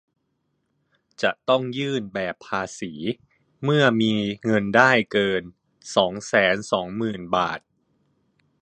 จะต้องยื่นแบบภาษีเมื่อมีเงินได้เกิน สองแสนสองหมื่น บาท